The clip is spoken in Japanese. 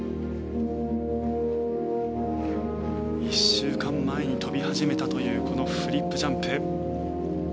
１週間前に跳び始めたというこのフリップジャンプ。